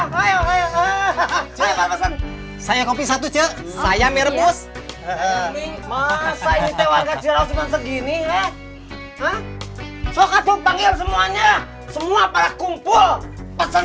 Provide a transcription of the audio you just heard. kalau gitu saya pesen kopi aja ceh